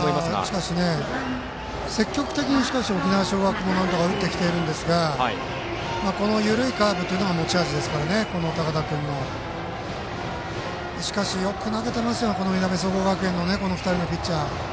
しかし積極的に沖縄尚学も打ってきていますが緩いカーブが持ち味なので高田君の。しかし、よく投げてますよいなべ総合学園の２人のピッチャー。